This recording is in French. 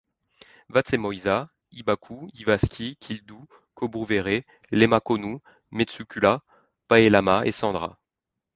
Vastemõisa, Ilbaku, Ivaski, Kildu, Kobruvere, Lemmakõnnu, Metsküla, Paelama et Sandra.